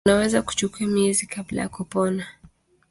Unaweza kuchukua miezi kabla ya kupona.